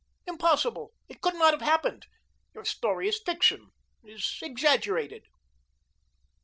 Impossible, it could not have happened. Your story is fiction is exaggerated.